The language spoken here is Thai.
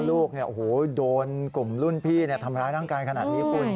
ลูกเนี่ยโหโดนกลุ่มรุ่นพี่เนี่ยทำร้ายร่างกายขนาดนี้คุณ